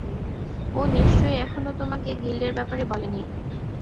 ও নিশ্চয়ই এখনো তোমাকে গিল্ডের ব্যাপারে বলেনি।